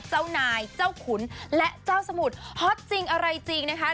เจ้านายเจ้าขุนและเจ้าสมุทรฮอตจริงอะไรจริงนะคะ